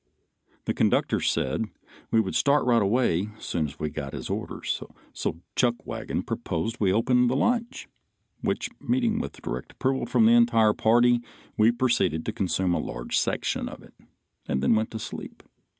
The conductor said we would start right away soon as he got his orders, so Chuckwagon proposed we open the lunch, which meeting with direct approval from the entire party, we proceeded to consume a large section of it, and then went to sleep.